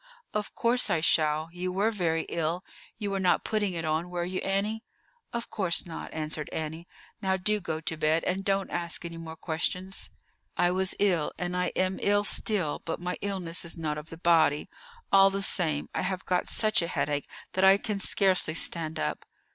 "Of course I shall; you were very ill. You were not putting it on, were you, Annie?" "Of course not," answered Annie. "Now, do go to bed, and don't ask any more questions. I was ill, and I am ill still, but my illness is not of the body. All the same, I have got such a headache that I can scarcely stand up."